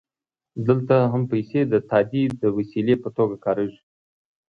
دلته هم پیسې د تادیې د وسیلې په توګه کارېږي